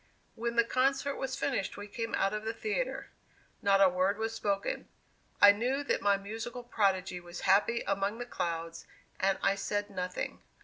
When the concert was finished we came out of the theatre. Not a word was spoken. I knew that my musical prodigy was happy among the clouds, and I said nothing.